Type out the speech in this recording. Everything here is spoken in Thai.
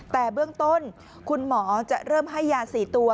แต่เบื้องต้นคุณหมอจะเริ่มให้ยา๔ตัว